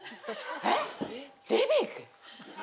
えっリビング？